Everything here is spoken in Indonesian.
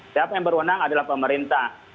siapa yang berwenang adalah pemerintah